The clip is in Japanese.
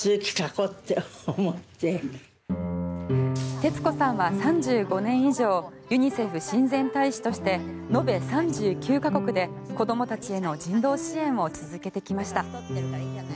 徹子さんは３５年以上ユニセフ親善大使として延べ３９カ国で子供たちへの人道支援を続けてきました。